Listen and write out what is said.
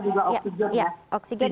jangan lupa juga oksigen